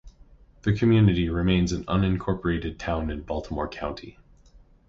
The community remains an unincorporated town in Baltimore County.